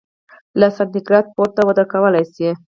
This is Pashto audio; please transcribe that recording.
له سانتي ګراد پورته وده کولای شي.